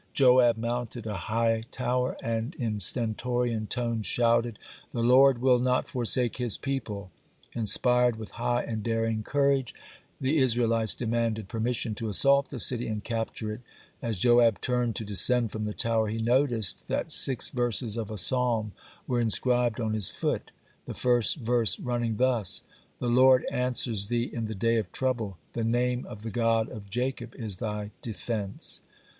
Joab mounted a high tower, and in stentorian tones shouted: "The Lord will not forsake his people." Inspired with high and daring courage, the Israelites demanded permission to assault the city and capture it. As Joab turned to descend from the tower, he noticed that six verses of a Psalm were inscribed on his foot, the first verse running thus: "The Lord answers thee in the day of trouble, the name of the God of Jacob is thy defense."